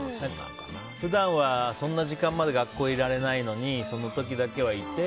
普段はそんな時間まで学校にいられないのにその時だけはいて。